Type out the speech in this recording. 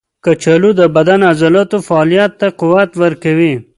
کچالو د بدن د عضلاتو فعالیت ته قوت ورکوي.